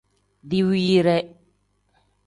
Diwiire.